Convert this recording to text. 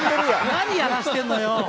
何やらせてるのよ。